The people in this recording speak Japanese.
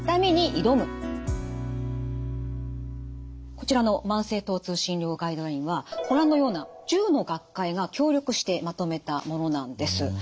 こちらの「慢性疼痛診療ガイドライン」はご覧のような１０の学会が協力してまとめたものなんです。